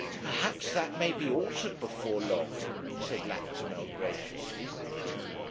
'Perhaps that may be altered before long,' said Lactimel, graciously.